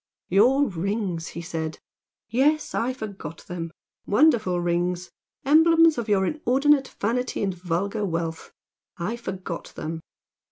"Your rings!" he said "Yes I forgot them! Wonderful rings! emblems of your inordinate vanity and vulgar wealth I forgot them!